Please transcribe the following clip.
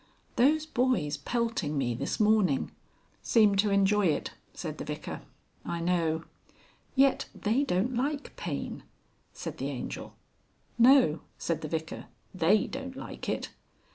Those boys pelting me this morning " "Seemed to enjoy it," said the Vicar. "I know." "Yet they don't like pain," said the Angel. "No," said the Vicar; "they don't like it."